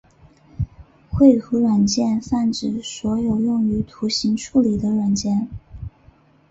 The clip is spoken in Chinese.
绘图软件泛指所有用于图像处理的软体。